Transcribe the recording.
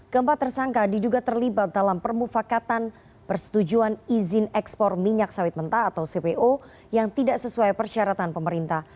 keempat tersangka diduga terlibat dalam permufakatan persetujuan izin ekspor minyak sawit mentah atau cpo yang tidak sesuai persyaratan pemerintah